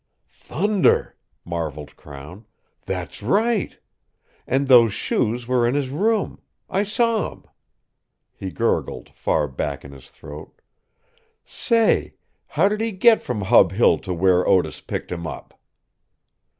"Thunder!" marvelled Crown. "That's right! And those shoes were in his room; I saw 'em." He gurgled, far back in his throat. "Say! How did he get from Hub Hill to where Otis picked him up?"